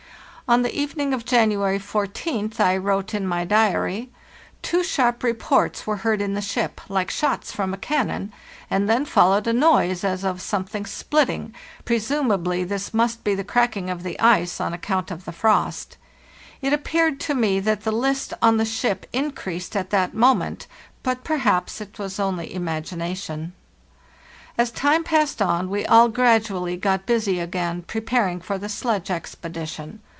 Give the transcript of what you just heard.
On the evening of January 14th I wrote in my diary: "Two sharp reports were heard in the ship, like shots from a cannon, and then followed a noise as of something splitting — presumably this must be the cracking of the ice, on account of the frost. It appeared to me that the list on the ship increased at that moment, but perhaps it was only imagination." As time passed on we all gradually got busy again preparing for the sledge expedition.